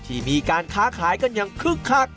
ที่มีการค้าขายกันอย่างคึกคัก